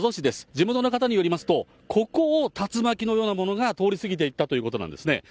地元の方によりますと、ここを竜巻のようなものが通り過ぎていったということなんですね。